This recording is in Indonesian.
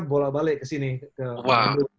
bolak balik ke sini wah